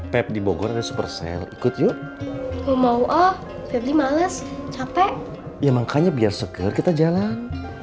pep di bogor dan supercell ikut yuk mau ah males capek ya makanya biar segar kita jalan